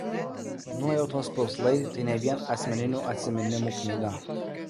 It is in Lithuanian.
Nuojautos purslai tai ne vien asmeninių atsiminimų knyga.